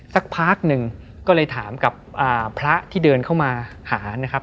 สักพักหนึ่งก็เลยถามกับพระที่เดินเข้ามาหานะครับ